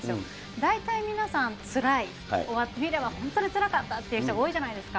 大体皆さんつらい、終わってみれば本当につらかったという人、多いじゃないですか。